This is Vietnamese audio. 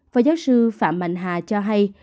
phó giáo sư phạm mạnh hà cho hay